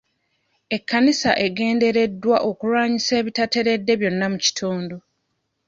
Ekkanisa egendereddwa kulwanyisa ebitateredde byonna mu kitundu.